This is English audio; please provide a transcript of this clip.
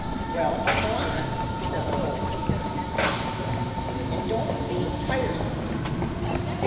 "Well, go on," said the Hole keeper, impatiently, "and don't be tiresome."